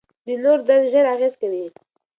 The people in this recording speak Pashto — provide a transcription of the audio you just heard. د نورو درد ژر اغېز کوي.